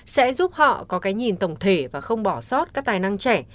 sẽ giúp họ có cái nhìn tổng thể và không bỏ sót các tài năng trẻ